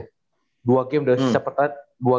dua game dari sisa pertandingan